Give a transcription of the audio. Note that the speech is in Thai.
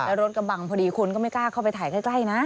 แล้วรถกระบังพอดีคนก็ไม่กล้าเข้าไปถ่ายใกล้นะ